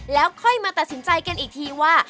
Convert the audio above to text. แล้วค่อยมาตัดสินใจกันอีกทีว่า